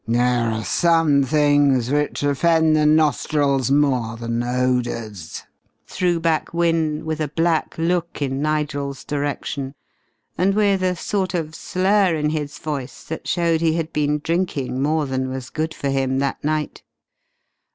"There are some things which offend the nostrils more than odours!" threw back Wynne with a black look in Nigel's direction, and with a sort of slur in his voice that showed he had been drinking more than was good for him that night.